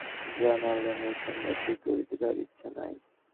জানাইলেন, এ সম্বন্ধে বিলম্ব করিতে তাঁহার ইচ্ছা নাই।